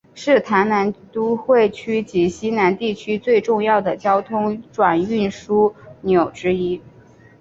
是台南都会区及溪南地区最重要的交通转运枢纽之一。